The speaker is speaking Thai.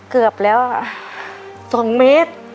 เกือบแล้ว๒เมตร